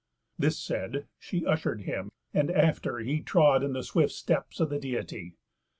This said, she usher'd him, and after he Trod in the swift steps of the Deity.